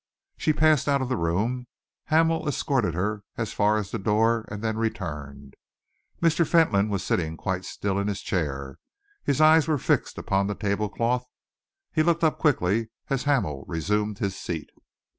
She passed out of the room. Hamel escorted her as far as the door and then returned. Mr. Fentolin was sitting quite still in his chair. His eyes were fixed upon the tablecloth. He looked up quickly as Hamel resumed his seat.